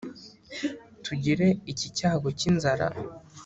tugire iki cyago cy’inzara